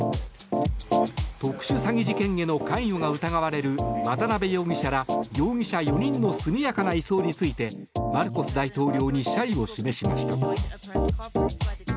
特殊詐欺事件への関与が疑われる渡邉容疑者ら容疑者４人の速やかな移送についてマルコス大統領に謝意を示しました。